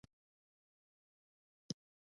ایا مصنوعي ځیرکتیا د انساني مهارت ارزښت نه بدلوي؟